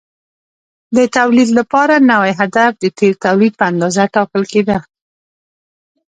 د تولید لپاره نوی هدف د تېر تولید په اندازه ټاکل کېده.